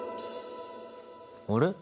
あれ？